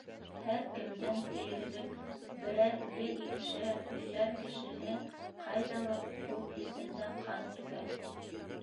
Һәр кемдең тиерлек берәр йә икешәр-өсәр кешеһе ҡайҙалыр ут эсендә ҡан түгә.